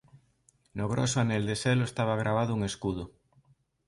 No groso anel de selo estaba gravado un escudo.